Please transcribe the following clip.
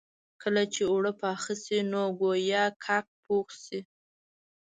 کله چې اوړه پاخه شي نو ګويا کاک پوخ شي.